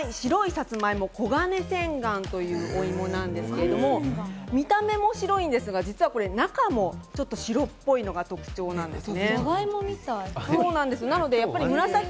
白いサツマイモ、黄金千貫と言うんですけれども、見た目も白いんですが、実は中もちょっと白っぽいのが特徴なんです。